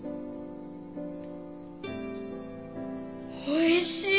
おいしい！